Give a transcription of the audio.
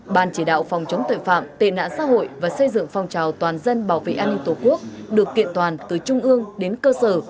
ban chỉ đạo phòng chống tội phạm tệ nạn xã hội và xây dựng phòng trào toàn dân bảo vệ an ninh tổ quốc được kiện toàn từ trung ương đến cơ sở